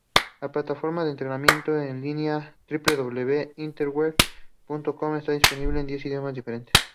La plataforma de entretenimiento en línea "www.interwetten.com" está disponible en diez idiomas diferentes.